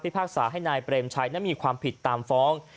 พากษาให้นายเปรมชัยนั้นมีความผิดตามฟ้อง